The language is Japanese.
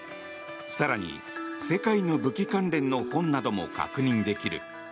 世界の武器関連の本なども確認できる。